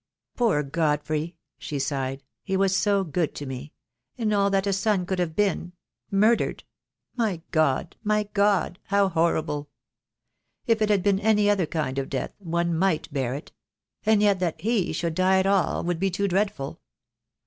"Poor Godfrey," she sighed, "he was so good to me — all that a son could have been — murdered! My God! my God! how horrible. If it had been any other kind 108 THE DAY WILL COME. of death one might bear it — and yet that he should die at all would be too dreadful.